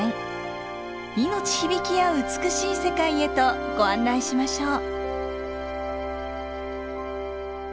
命響きあう美しい世界へとご案内しましょう。